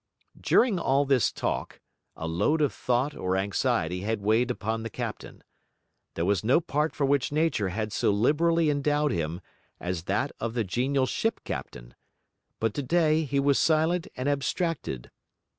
During all this talk, a load of thought or anxiety had weighed upon the captain. There was no part for which nature had so liberally endowed him as that of the genial ship captain. But today he was silent and abstracted.